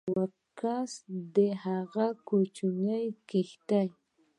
و کس د هغه له کوچنۍ کښتۍ